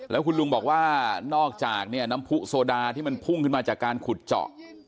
แล้วคุณลุงบอกว่านอกจากเนี่ยน้ำผู้โซดาที่มันพุ่งขึ้นมาจากการขุดเจาะ